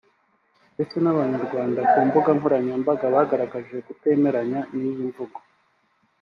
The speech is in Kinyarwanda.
ndetse n’abanyarwanda ku mbuga nkoranyambaga bagaragaje kutemeranya n’iyi mvugo